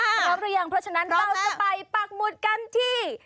พร้อมหรือยังเพราะฉะนั้นเราจะไปปักหมุดกันที่